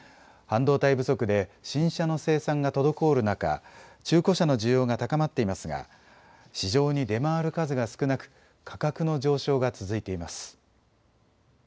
半導体不足で新車の生産が滞る中、中古車の需要が高まっていますが市場に出回る数が少なく価格の上昇が続いています。